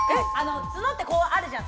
角ってこうあるじゃん。